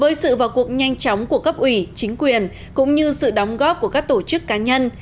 với sự vào cuộc nhanh chóng của cấp ủy chính quyền cũng như sự đóng góp của các tổ chức cá nhân